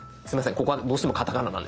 ここはどうしてもカタカナなんです。